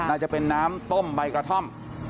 น่าจะเป็นน้ำต้มใบกระท่อม